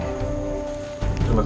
terima kasih bapak